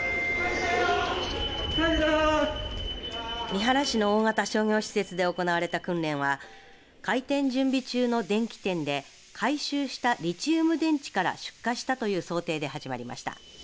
三原市の大型商業施設で行われた訓練は開店準備中の電気店で回収したリチウム電池から出火したという想定で始まりました。